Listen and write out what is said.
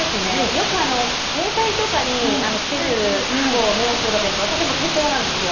よく携帯とかにスケジュールをメモする方いますが私も手帳なんですよ。